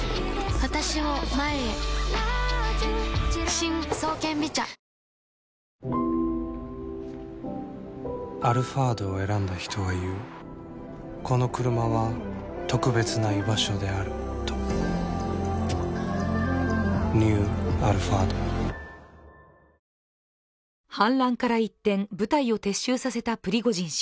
新「ＥＬＩＸＩＲ」「アルファード」を選んだ人は言うこのクルマは特別な居場所であるとニュー「アルファード」反乱から一転部隊を撤収させたプリゴジン氏。